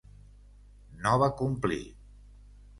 No va complir.